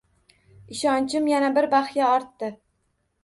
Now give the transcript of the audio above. Ishonchim yana bir baxya ortdi